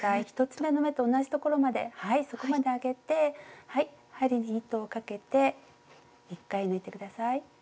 １つめの目と同じところまではいそこまで上げて針に糸をかけて１回抜いて下さい。